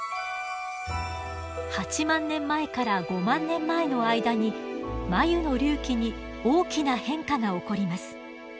８万年前から５万年前の間に眉の隆起に大きな変化が起こります。